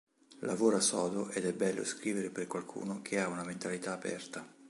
Lavora sodo ed è bello scrivere per qualcuno che ha una mentalità aperta".